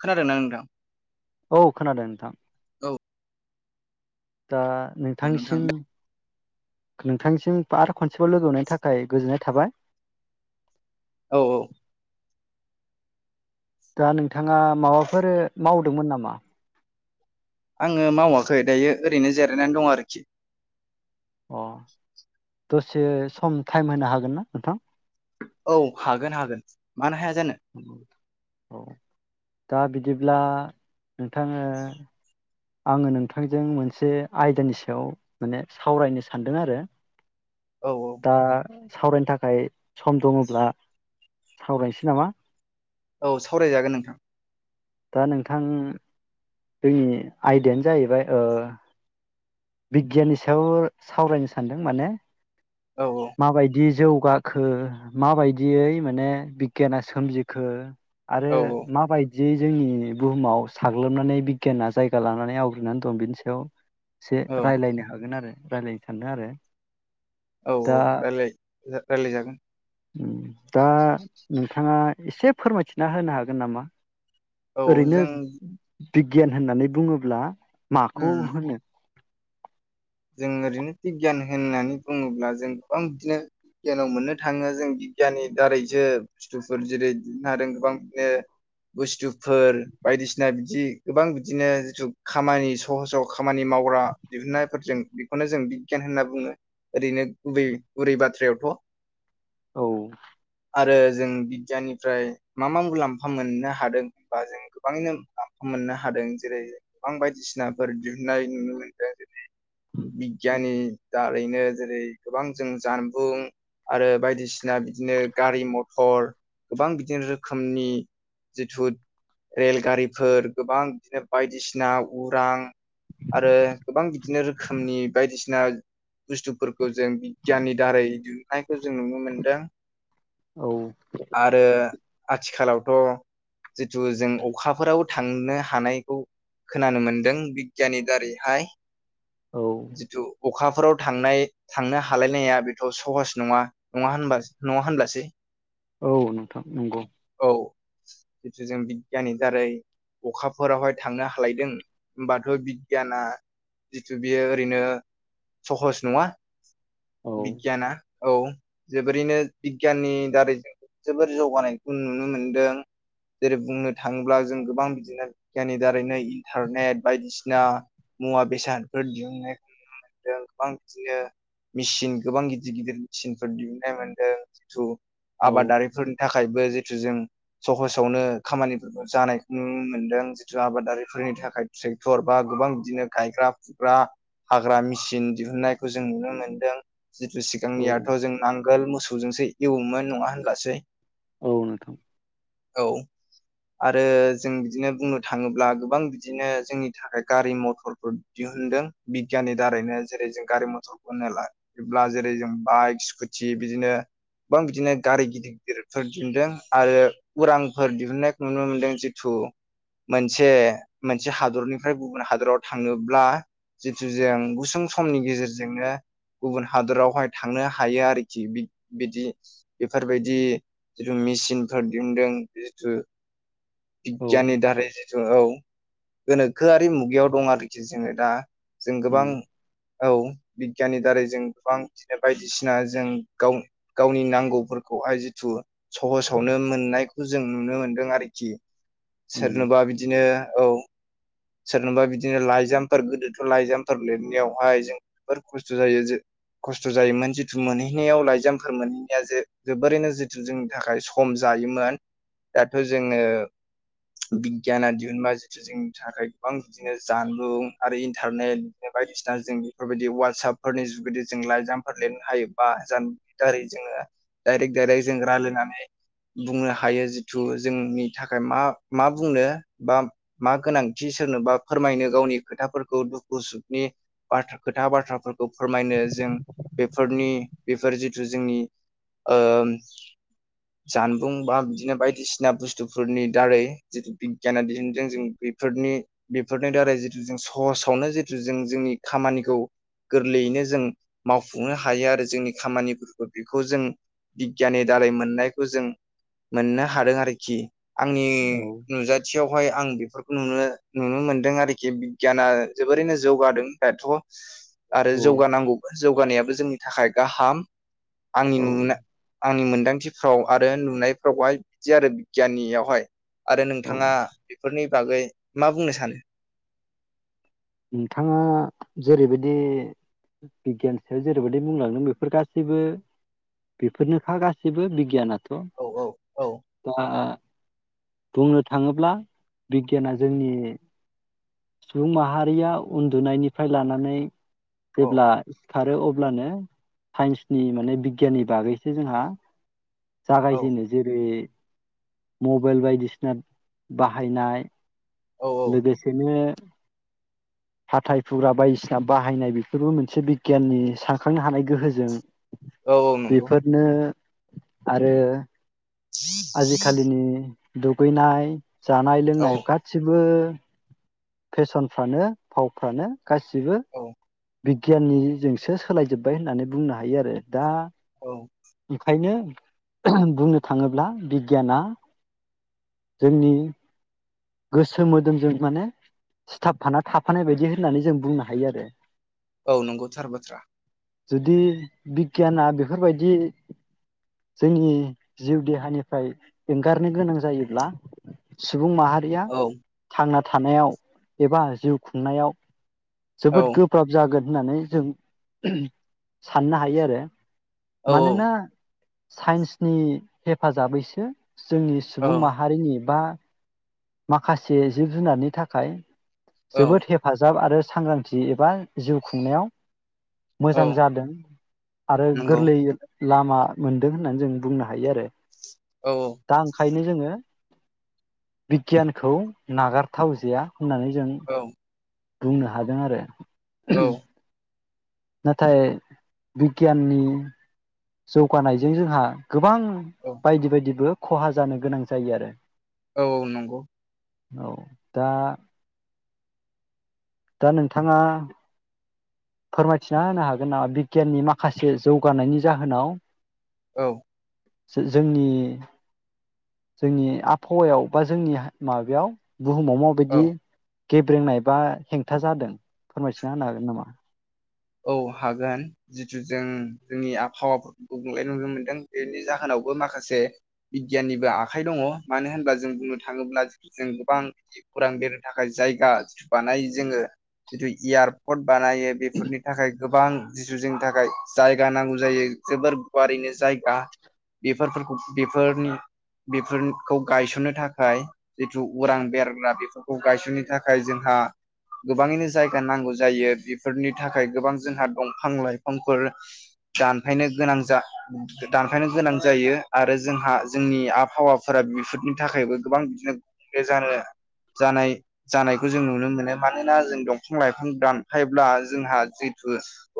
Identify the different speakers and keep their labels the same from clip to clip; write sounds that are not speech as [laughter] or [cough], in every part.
Speaker 1: खोनादों ना नोंथां
Speaker 2: औ खोनादों नोंथां
Speaker 1: औ
Speaker 2: ओ
Speaker 1: औ नोंथां
Speaker 2: नोंथांनिसिम नोंथांसिम आरो खनसेबाव लोगो हमनायनि थाखाय गोजोननाय थाबाय
Speaker 1: औ औ
Speaker 2: दा नोंथाङा माबाफोर मावदोंमोन नामा
Speaker 1: आङो मावाखै दायो ओरैनो जिरायनानै दं आरोखि
Speaker 2: अ दसे सम टाइम होनो हागोन ना नोंथां
Speaker 1: औ हागोन हागोन मानो हाया जा
Speaker 2: औ दा बिदिब्ला नोंथां ओ आङो नोंथांजों मोनसे आयदानि सायाव माने सावरायनो सानदों आरो
Speaker 1: औ
Speaker 2: दा सावरायनो थाखाय सम दङब्ला सावरायनोसै नामा
Speaker 1: औ सावरायजागोन नोंथां
Speaker 2: दा नोंथां जोंनि आयदायानो जाहैबाय ओ बिगियाननि सायाव सावरायनो सानदों माने
Speaker 1: औ
Speaker 2: माबायदि जौगाखो माबायदियै माने बिगियाना सोमजिखो आरो
Speaker 1: औ
Speaker 2: माबायदि जि जोंनि बुहुमाव साग्लोबनानै बिगियाना जायगा लानानै आवग्रिनानै दं बेनि सायाव एसे
Speaker 1: औ
Speaker 2: रायज्लायनो हागोन आरो रायलायनो सानदों आरो।
Speaker 1: औ
Speaker 2: दा
Speaker 1: रायलाय रायलायजागोन
Speaker 2: दा नोंथाङा एसे फोरमायथिना होनो हागोन नामा?
Speaker 1: औ
Speaker 2: ओरैनो
Speaker 1: जों
Speaker 2: बिगियान होननानै बुङोब्ला
Speaker 1: उम
Speaker 2: माखौ होनो?
Speaker 1: जों ओरैनो बिगियान होननानै बुङोब्ला जों गोबां बिदिनो बिगियानाव मोननो थाङो जों बिगियाननि दारैसो बुस्थुफोर जेरै दिहुननो हादों गोबां बिदिनो बुस्थु फोर बायदिसिना बिद जिदि गोबां बिदिनो जिथु खामानि सहसाव खामानि मावग्रा दिहुननाय फोरजों बेखौनो जों बिगियान होनना बुङो ओरैनो गुबै गुरै बाथ्रायावथ'
Speaker 2: औ।
Speaker 1: आरो जों बिगियाननिफ्राय मा मा मुलाम्फा मोननो हादों होनबा जों गोबाङैनो मुलाम्फा मोननो हादों जेरै गोबां बायदिसिनाफोर दिहुनन्नाय नुनो मोन्दों जेरै बिगियानि दारैनो जेरै गोबां जों जानबुं आरो बायदिसिना बिदिनो गारि मथर गोबां बिदिनो रोखोमनि जिथु रेलगारिफोर गोबां बिदिनो बायदिसिना उरां आरो गोबां बि बिदिनो रोखोमनि बायदिसिना बुस्थुफोरखौ जों बिगियाननि दारै दिहुननायखौ जों नुनो मोन्दों।
Speaker 2: औ
Speaker 1: आथिखालावथ' जिथु जों अखाफोराव थांनो हानायखौ खोनानो मोनदों बिगियाननि दारैहाय
Speaker 2: औ
Speaker 1: जिथु अखा अखफोराव थांनाय थांनो हालायनाया बेथ' सहस नङा नङा होनब नङा होनब्लासै।
Speaker 2: औ नोंथां नंगौ।
Speaker 1: ओ जिथु जों बिगियाननि दारै अखाफोरावहाय थांनो हालायदों हबाथ' बिगियाना जिथु बियो ओरैनो सहस नङा।
Speaker 2: औ
Speaker 1: बिगियाना औ जोबोरैनो बिगियाननि दारै जोबोर जौगानायखौ नुनो मोनदों जेरै बुंनो थाङोब्ला जों गोबां बिदिनो बिगियाननि दारैनो इन्टारनेट बायदिसिना मुवा बेसादफोर दिहुननायखौ नुनो मोनदों गोबां बिदिनो मेचिन गोबां गिदिर गिदिर मेसिनफोर दिहुननाय मोनदों जिथु
Speaker 2: औ
Speaker 1: आबादारिफोरनि थाखाय। जिथु जों सहसावनो खामानि जानाय नुनो मोनदों जिथु आबादारिफोरनि थाखाय ट्रेक्टर बा गोबां बिदिनो गायग्रा फुग्रा हाग्रा मेसिन दिहुनन्नायखौ जों नुनो मोनदों। जिथु
Speaker 2: औ
Speaker 1: सिगांनियाथ' जों नांगोल मुस मोसौ जोंसो एवोमोन नङा होनब्लासै।
Speaker 2: औ नोंथां।
Speaker 1: औ आरो जों बिदिनो बुंनो थाङोब्ला गोबां बिदिनो जोंनि थाखाय गारि मथर बो दिहुनदों बिगियाननि दारैनो जेरै जों गारि मथरखौ होनो ला बेब्ला जेरै जों बाइक स्कुटि बिदिनो गोबां बिदिनो गारि गिदिर गिदिरफोर दिहुनदों आरो उरांफोर दिहुननायखौ नुनो मोनदों जिथु मोनसे मोनसे हादरनिफ्राय गुबुन हादर थाङोब्ला जितु जों गुसुं समनि गेजेरजोंनो गुबुन हादरावहाय थांनो हायो आरोखि बिदि बेफोरबायदि जिथु मेचिनफोर दिहुनदों जिथु
Speaker 2: औ
Speaker 1: बिगियाननि दारै जिथु औ। गोनोखोआरि मुगायाव दं आरो खोथि जोङो दा। जों
Speaker 2: उम
Speaker 1: गोबां औ बिगियाननि दारै जों गोबां बिदिनो बायदिसिना जों गाव गावनि नांगौफोरखौहाय जिथु सहसावनो मोननायखौ जों नुनो मोनदों आरोखि
Speaker 2: उम
Speaker 1: सोरनोबा बिदिनो औ सोरनोबा बिदिनो बिदिनो लाइजामफोर गोदोथ' लाइजामफोर लिरनायावहाय जों जोबोर खस्थ' जायो खस्थ' जायोमोन जिथु मोनहैनायाव लाइजामफोर मोनहैनाया जे जोबोरैनो जिथु जोंनि थाखाय सम जायोमोन दाथ' जोङो बिगियाना दिहुनबा जिथु जोंनि थाखाय गोबां बिदिनो जानबुं आरो इन्टारनेट बायदिसिना जों बेफोरबायदि ववाटसपफोरनि जुगदि जों लाइजामफोर लिरनो हायो बा जानबुंनि दारै जोङो दडायरेक दायरेक्ट जों रायलायनानै बुंनो हायो जिथु जोंनि थाखाय मा मा बुंनो बा मा गोनांथि सोरनोबा फोरमायनो गावनि खोथाफोरखौ दुखु सुखनि ब्रा खोथा बाथ्राफोरखौ फोरमायनो जों बेफोरनि बेफोर जिथु जोंनि जानबुं बा बिदिनो बायदिसिना बुस्थुफोरनि दारै जिथु बिगियाना दिहन्दों जों बेफोरनि बेफोरनि दारै जिथु जों सहसावनो जितु जों जोंनि खामानिखौ गोरलैयैनो जों मावफुंनो हायो आरो जोंनि खामानिफोरखौ बेखौ जों बिगियाननि दारै मोननायखौ जों मोननो हादों आरोखि आंनि
Speaker 2: औ
Speaker 1: नुजाथियावहाय आं बे फोरखौ नुनो नुनो मोनदों आरोखि बिगियाना जोबोरैनो जौगादों दाथ' आरो
Speaker 2: औ
Speaker 1: जौगानांगौ जौगानायाबो जोंनि थाखाय गाहाम आंनि
Speaker 2: औ
Speaker 1: नु आंनि मोन मोनदांथिफ्राव आरो नुनायफ्रावहाय बिदि आरो बिगियाननियावहाय आरो
Speaker 2: औ
Speaker 1: नोंथाङा बेफोरनि बागै मा बुंनो सानो?
Speaker 2: नोंथाङा जेरैबायदि बिगियान सायाव जेरैबायदि बुंलांदों बेफोर गासैबो बेफोरनोखा गासैबो बिगियान थ
Speaker 1: औ औ औ
Speaker 2: [inaudible] आ बुंनो थाङोब्ला बिगियाना जोंनि सुबुं माहारि रिया उन्दुनायनिफ्राय लानानै
Speaker 1: औ
Speaker 2: जेब्ला सिखारो अब्लानो साइन्सनि माने बिगियाननि बागैसो जोंहा
Speaker 1: औ
Speaker 2: जागायजेनो जेरै मबाइल बायदिसिना बाहायनाय लोगोसेनो [inaudible] हाथाय फुग्रा बायदिसिना बाहायनाय बेफोरबो मोनसे बिगियाननि सानखांनो हानाय गोहोजों
Speaker 1: औ नंगौ
Speaker 2: बेफोरनो आरो आजिखालिनि दुगैनाय जानाय
Speaker 1: औ
Speaker 2: लोंनाय गासि बो फेसनफ्रानो फावफ्रानो गासिबो
Speaker 1: औ
Speaker 2: बिगियाननिजोंसो सोलायजोबबाय होननानै बुंनो हायो आरो दा
Speaker 1: औ
Speaker 2: ओंखायनो बुंनो थाङोब्ला बिगियाना जोंनि गोसो मोदोमजों माने सिथाबफाना थाफानाय बायदि होननानै जों बुंनो हायो आरो
Speaker 1: औ नंगौ थार बाथ्रा
Speaker 2: जुदि बिगियाना बेफोरबायदि जोंनि जिउ देहानिफ्राय एंगारनो गोनां जायोब्ला सुबुं माहारि ओया
Speaker 1: औ
Speaker 2: थांना थानायाव एबा जिउ खुंनायाव
Speaker 1: औ
Speaker 2: जोबोद गोब्राब जागोन होननानै जों साननो हायो आरो
Speaker 1: औ
Speaker 2: मानोना साइन्सनि हेफाजाबैसो जोंनि
Speaker 1: औ
Speaker 2: सुबुं माहारिनि बा माखासे जिब जुनारनि थाखाय
Speaker 1: औ
Speaker 2: जोबोद हेफाजाब आरो सांग्रांथि एबा जिउ खुंनायाव
Speaker 1: औ
Speaker 2: मोजां जादों आरो
Speaker 1: नंगौ
Speaker 2: गोरलैयै लामा मोनदों होननानै जों बुंनो हायो आरो।
Speaker 1: औ
Speaker 2: दा ओंखायनो जोङो बिगियानखौ नागारथावजाया। होननानै जों
Speaker 1: औ
Speaker 2: बुंनो हादों आरो।
Speaker 1: औ।
Speaker 2: नाथाय बिगियाननि जौगानायजों जोंहा गोबां
Speaker 1: औ
Speaker 2: बायदि बायदिबो ख'हा जानो गोनां जायो आरो।
Speaker 1: औ नंगौ।
Speaker 2: औ दा दा नोंथाङा फोरमायथिना होनो हागोन नामा बिगियाननि माखासे जौगानायनि जाहोनाव
Speaker 1: औ।
Speaker 2: जोंनि जोंनि आबहावायाव बा जोंनि माबायाव बुहुमाव
Speaker 1: औ
Speaker 2: मावबायदि गेब्रेंनाय बा हेंथा जादों फोरमायथिना होनो हागोन नामा?
Speaker 1: औ हागोन जिथु जों जोंनि आबहावाफोरखौ गुबुंले नुनो मोनदों बेनि जाहोनावबो माखासे बिगियाननिबो आखाइ दङ मानो होनब्ला जों बुंनो थाङोब्ला जों गोबां उरां बिरनो थाखाय जायगा बानायो जोङो जिथु एयारपर्ट बारायो बेफोरनि गोबां जिथु जोंनि थाखाय जायगा नांगौ जायो जोबोर गुवारैनो जायगा बेफोरखौ बेफोरनि बेफोरखौ गायसननो थाखाय जिथु उरां बिरग्रा बेफोरखौ गायसननो थाखाय जोंहा गोबाङैनो जायगा नांगौ जायो बेफोरनि थाखाय गोबां जोंहा दंफां लाइफांफोर दानफायनो गोनां दानफायनो गोनां जायो आरो जोंहा जोंनि आबहावाफोरा बेफोरनि थाखायबो गोबां बिदिनो जानाय जानायखौ जों नुनो मोनो मानोना जों दंफां लाइफां दानफायब्ला जोंहा जिथु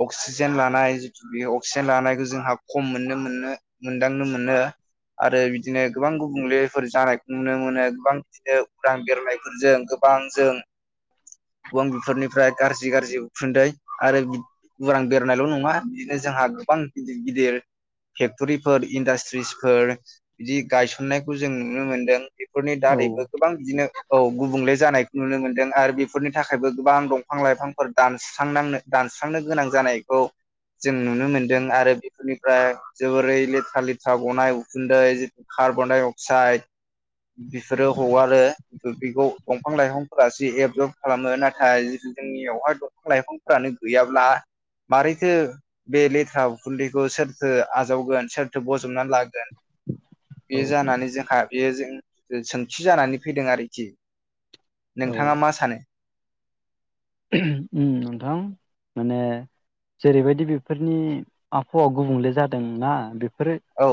Speaker 1: अक्सिजेन लानाय जितु बे अक्सिजेन लानायखौ जोंहा खम मोननो मोनो मोनदांनो मोनो आरो बिदिनो गोबां गुबुंलेफोर जानायखौ नुनो मोनो गोबां बिदिनो उरां बिरनायफोरजों गोबां जों गोबां बेफोरनिफ्राय गाज्रि गाज्रि उखुन्दै आरो [unintelligible] बिदिनो जोंहा गोबां गिदिर गिदिर फेक्टरिफोर इन्डास्ट्रिसफोर बिदि गायसननायखौ जों नुनो मोनदों। बेफोरनि
Speaker 2: औ
Speaker 1: दारैबो गोबां बिदिनो औ गुबुंले जानाय नुनो मोनदों आरो बेफोरनि थाखायबो गोबां दंफां लाइफांफोर दानसुस्रांनांदों दानस्रांनो गोनां जानायखौ जों नुनो मोनदों आरो बेफोरनिफ्राय जोबोरै लेथ्रा लेथ्रा गनाय उखुन्दै जि कार्बन डाइ अक्साइद बेफोरो हगारो बेखौ दंफां लाइफांफोरासो एबजर्ब खालामो नाथाय जिथु जोंनियावहाय दंफां लाइफां फ्रानो गैयाब्ला मारैथो बे लेथ्रा उखुन्दैखौ सोरथो आजावगोन सोरथो बज बुथुमनानै लागोन
Speaker 2: औ
Speaker 1: बे जानानै जोंहा बे जों सोंथि जानानै फैदों आरोखि नोंथाङा मा सानो
Speaker 2: ओम नोंथां माने जेरैबायदि बेफोरनि आबहावा गुबुंले जादों ना बेफ फोरो
Speaker 1: औ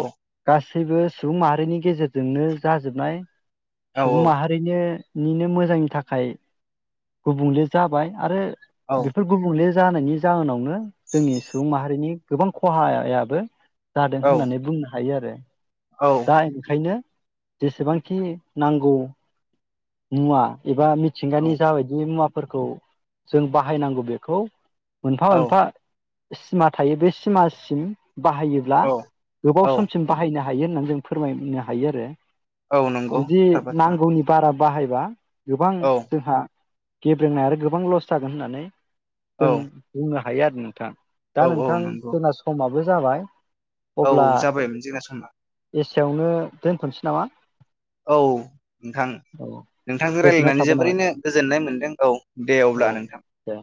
Speaker 2: गास गासैबो सुबुं माहारिनि गेजेरजोंनो जाजोबनाय
Speaker 1: औ
Speaker 2: सुबुं माहारिनिनो निनो मोजांनि थाखाय गुबुंले जाबाय आरो
Speaker 1: औ
Speaker 2: बेफोर गुबुंले जानायनि जाहोनावनो जोंनि सुबुं माहारिनि गोबां खहायायाबो जादों
Speaker 1: औ
Speaker 2: होननानै बुंनो हायो आरो
Speaker 1: औ
Speaker 2: दा ओंखायनो जेसेबांखि नांगौ मुवा एबा मिथिंगानि जाबायदि मुवा फोरखौ जों बाहायनांगौ बेखौ मोनफा
Speaker 1: औ
Speaker 2: मोनफा सिमा थायो बे सिमासिम बाहायोब्ला
Speaker 1: औ
Speaker 2: गोबाव
Speaker 1: औ
Speaker 2: समसिम बाहायनो हा हायो होनना जों फोरमायनो हायो आरो
Speaker 1: औ नंगौ
Speaker 2: जुदि
Speaker 1: थार बाथ्रा
Speaker 2: नांगौनि बारा बाहायबा गोबां
Speaker 1: औ
Speaker 2: जोंहा गेब्रेंनाय आरो गोबां लस जागोन होननानै जों
Speaker 1: औ
Speaker 2: बुंनो हा हायो आरो नोंथां दा
Speaker 1: औ औ
Speaker 2: नोंथां
Speaker 1: नंगौ
Speaker 2: जोंना समाव बो जाबाय
Speaker 1: औ जाबायमोन जोंना समा
Speaker 2: यावनो दोनथ'नोसै नामा
Speaker 1: औ नोंथां
Speaker 2: औ
Speaker 1: नोंथांजों
Speaker 2: गोजोननाय
Speaker 1: रायलायनानै
Speaker 2: थाबाय नाबाय
Speaker 1: जोबोरैनो गोजोननाय मोनदों औ दे
Speaker 2: औ
Speaker 1: अब्ला नोंथां।
Speaker 2: दे